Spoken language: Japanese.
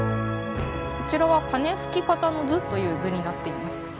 こちらは金吹方之図という図になっています。